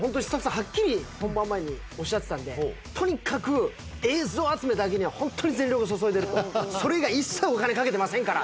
ハッキリ本番前におっしゃってたんで「とにかく映像集めだけにはホントに全力を注いでる」と「それ以外一切お金かけてませんから！」